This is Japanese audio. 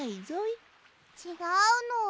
ちがうの。